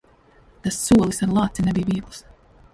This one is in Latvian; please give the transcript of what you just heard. Tas solis ar lāci nebija viegls.